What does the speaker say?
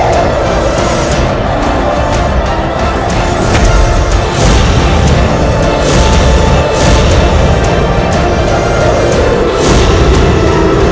aku tidak akan minimize ini dengan salud